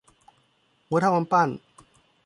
หัวเท่ากำปั้น